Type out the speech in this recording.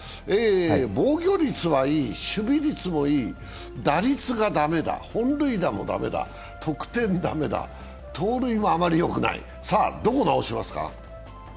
防御率はいい、守備率もいい、打率が駄目だ、本塁打も駄目だ、得点駄目だ、得点もあまりよくないさあ、どこ直しますか？